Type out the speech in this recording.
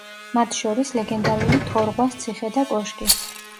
მათ შორის, ლეგენდარული თორღვას ციხე და კოშკი.